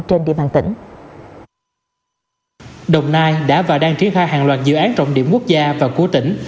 trên địa bàn tỉnh đồng nai đã và đang triển khai hàng loạt dự án rộng điểm quốc gia và của tỉnh